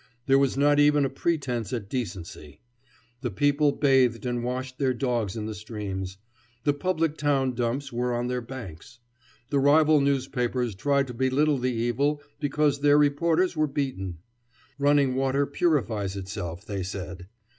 There was not even a pretence at decency. The people bathed and washed their dogs in the streams. The public town dumps were on their banks. The rival newspapers tried to belittle the evil because their reporters were beaten. Running water purifies itself, they said.